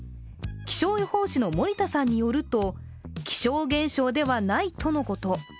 気象予報士の森田さんによると、気象現象ではないとのこと。